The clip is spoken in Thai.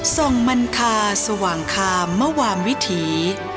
ส่งมันคาสว่างคามมวามวิถี